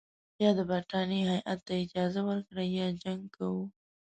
یا د برټانیې هیات ته اجازه ورکړئ یا جنګ کوو.